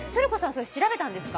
それ調べたんですか？